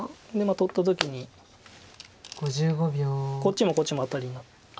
取った時にこっちもこっちもアタリになってますので。